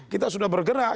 kita sudah bergerak